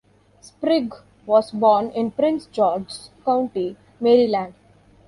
Sprigg was born in Prince George's County, Maryland.